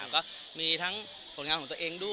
ก็มีทั้งผลงานของตัวเองด้วย